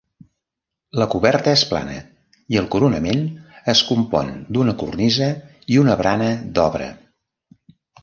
La coberta és plana i el coronament es compon d'una cornisa i una barana d'obra.